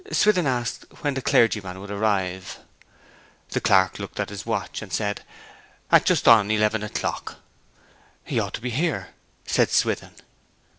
Swithin asked when the clergyman would arrive. The clerk looked at his watch, and said, 'At just on eleven o'clock.' 'He ought to be here,' said Swithin.